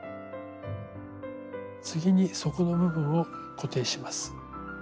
次に底の部分を固定します。